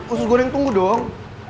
usus goreng tunggu dong